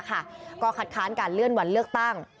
ก็คัดค้านการเลื่อนวันเลือกตั้ง